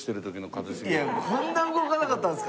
こんな動かなかったんですか？